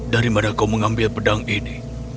dari mana kau mengambil pedang ini